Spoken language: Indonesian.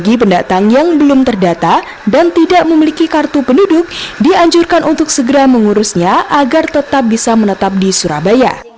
bagi pendatang yang belum terdata dan tidak memiliki kartu penduduk dianjurkan untuk segera mengurusnya agar tetap bisa menetap di surabaya